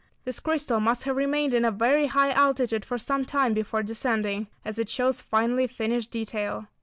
This crystal must have remained in a very high altitude for some time before descending as it shows finely finished detail.